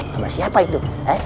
sama siapa itu